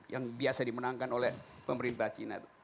yang biasa dimenangkan oleh pemerintah china